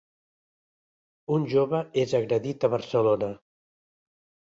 Un jove és agredit a Barcelona